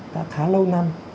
đã khá lâu năm